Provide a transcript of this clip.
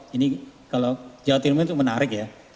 jadi kalau jawa timur itu menarik ya